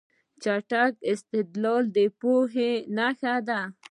چټک استدلال د پوهې نښه ده.